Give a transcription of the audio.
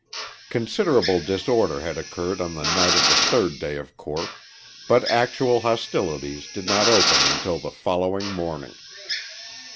Considerable disorder had occurred on the night of the third day of court, but actual hostilities did not open until the following morning.